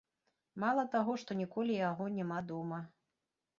Мала таго, што ніколі яго няма дома.